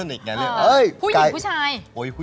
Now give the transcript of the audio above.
ผู้หญิงผู้ชาย